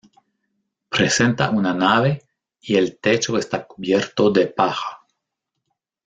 Presenta una nave y el techo está cubierto de paja.